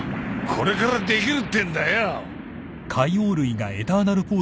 これからできるってんだよ！